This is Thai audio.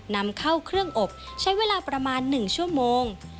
นำเข้าเครื่องอบใช้เวลาประมาณ๑ชั่วโมง